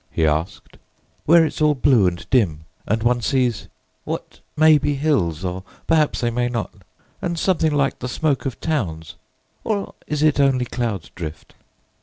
he asked: "Where it's all blue and dim, and one sees what may be hills or perhaps they mayn't, and something like the smoke of towns, or is it only cloud drift?"